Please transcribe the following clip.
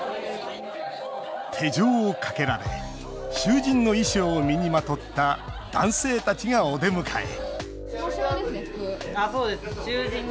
手錠をかけられ囚人の衣装を身にまとった男性たちが、お出迎え